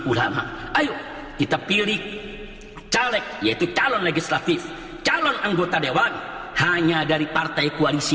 ulama ayo kita pilih caleg yaitu calon legislatif calon anggota dewan hanya dari partai koalisi